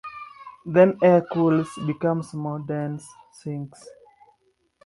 Then air cools, becomes more dense, sinks.